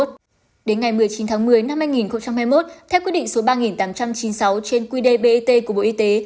đến ngày một mươi chín tháng một mươi năm hai nghìn hai mươi một theo quyết định số ba tám trăm chín mươi sáu trên quy đề bett của bộ y tế